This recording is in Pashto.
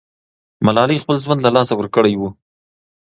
ملالۍ خپل ژوند له لاسه ورکړی وو.